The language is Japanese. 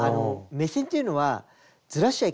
目線っていうのはずらしちゃいけないんですね。